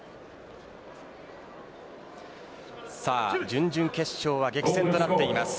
準々決勝は激戦となっています。